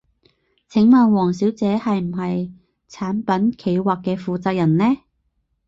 請問王小姐係唔係產品企劃嘅負責人呢？